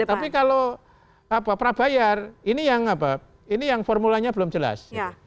tapi kalau prabayar ini yang formulanya belum jelas